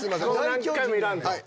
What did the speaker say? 何回もいらんで。